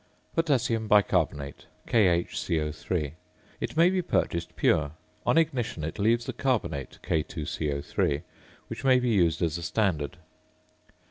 ~Potassium Bicarbonate~, KHCO_. It may be purchased pure; on ignition it leaves the carbonate, K_CO_, which may be used as a standard.